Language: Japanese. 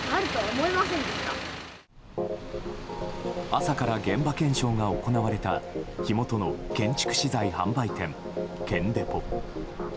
朝から現場検証が行われた火元の建築資材販売店、建デポ。